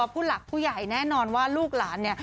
ผู้หลักผู้ใหญ่แน่นอนว่าลูกหลานเนี่ย